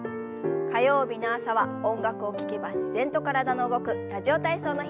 火曜日の朝は音楽を聞けば自然と体の動く「ラジオ体操」の日。